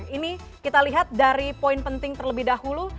ini kita lihat dari poin penting terlebih dahulu